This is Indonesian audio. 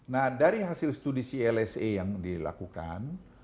nah dari hasil studi clse yang dilakukan